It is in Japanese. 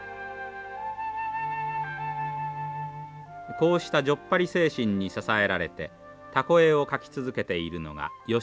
こうしたじょっぱり精神に支えられてたこ絵を描き続けているのが吉